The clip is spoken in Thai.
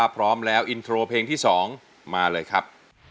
เพลงที่๒มาเลยครับ